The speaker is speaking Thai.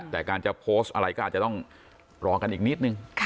แต่การจะโพสต์อะไรก็อาจจะต้องรอกันอีกนิดนึง